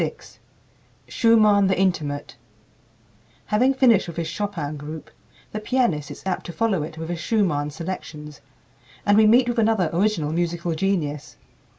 VI SCHUMANN, THE "INTIMATE" Having finished with his Chopin group, the pianist is apt to follow it with his Schumann selections, and we meet with another original musical genius.